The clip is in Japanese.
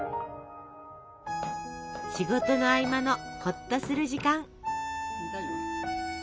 仕事の合間のほっとする時間。